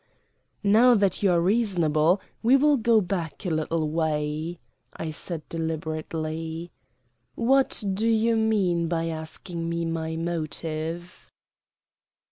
"Now that you are reasonable, we will go back a little way," I said deliberately. "What do you mean by asking me my motive?"